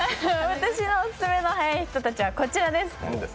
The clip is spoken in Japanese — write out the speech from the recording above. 私のオススメのはやい人たちは、こちらです。